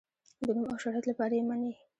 د نوم او شهرت لپاره یې مني.